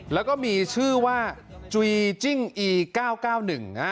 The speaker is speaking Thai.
แล้วก็มีชื่อว่าจุยิจิ้งอีเก้าเก้าหนึ่ง